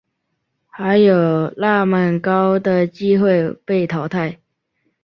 还有那么高的机会被淘汰